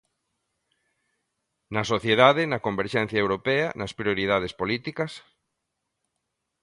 ¿Na sociedade, na converxencia europea, nas prioridades políticas...?